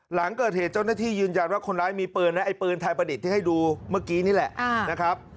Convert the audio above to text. หลังเกิดเหตุเจ้าหน้าที่ยืนยันว่าคนร้ายมีเปลืองแล้วไอ้เปลืองทัยผลิตที่ให้ดูเมื่อกี้นี่แหละนะครับ